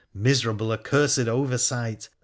Miserable, accursed oversight !